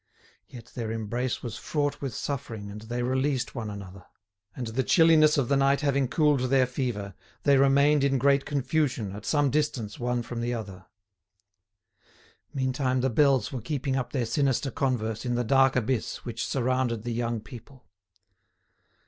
Yet their embrace was fraught with suffering and they released one another. And the chilliness of the night having cooled their fever, they remained in great confusion at some distance one from the other. Meantime the bells were keeping up their sinister converse in the dark abyss which surrounded the young people.